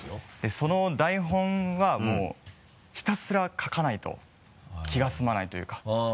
その台本はもうひたすら書かないと気が済まないというか。